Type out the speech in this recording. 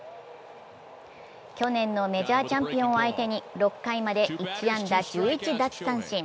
去年のメジャーチャンピオンを相手に、６回まで１安打１１奪三振。